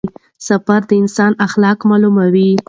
سفر د انسان اخلاق معلوموي.